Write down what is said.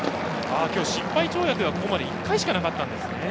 きょう、失敗跳躍がここまで１回しかなかったんですね。